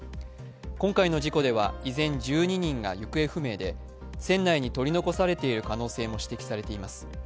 今回の事故では依然、１２人が行方不明で船内に取り残されている可能性も指摘されています。